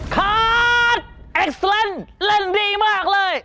คัทเอ็กซเซลล์นเล่นดีมากเลย